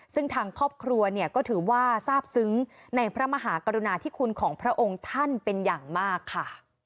ซึ่งทางครอบครัวเนี่ยก็ถือว่าทราบซึ้งในพระมหากรุณาธิคุณของพระองค์ท่านเป็นอย่างมากค่ะ